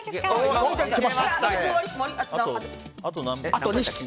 あと２匹。